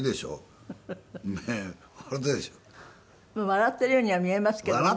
笑っているようには見えますけどね。